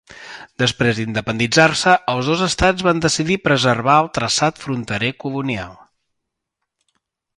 Després d'independitzar-se, els dos estats van decidir preservar el traçat fronterer colonial.